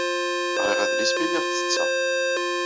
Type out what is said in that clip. Ɣriɣ adlis mi lliɣ ttetteɣ.